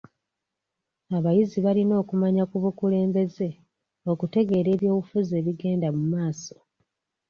Abayizi balina okumanya ku bukulembeze okutegeera eby'obufuzi ebigenda mu maaso.